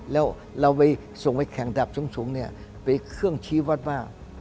แล้วเราไปส่งไปแข่งดับสูงไปเครื่องชี้วัดว่า